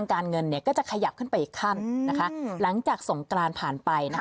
ยั่งก้าวเท้าเข้าไป